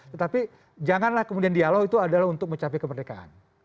tetapi janganlah kemudian dialog itu adalah untuk mencapai kemerdekaan